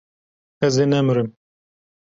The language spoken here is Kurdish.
Ez ê nemirim.